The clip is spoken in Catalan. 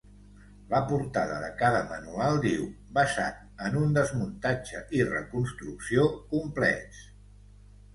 La portada de cada manual diu: "basat en un desmuntatge i reconstrucció complets".